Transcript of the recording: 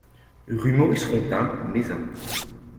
Rue Maurice Rontin, Mézin